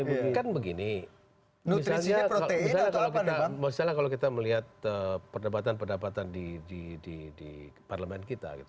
maksudnya begini misalnya kalau kita melihat perdebatan perdebatan di parlemen kita